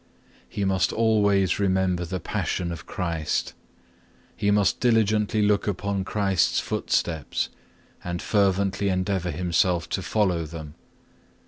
He must always remember the Passion of Christ. He must diligently look upon Christ's footsteps and fervently endeavour himself to follow them.